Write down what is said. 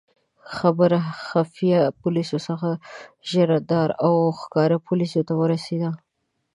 خبره خفیه پولیسو څخه ژندارم او ښکاره پولیسو ته ورسېده.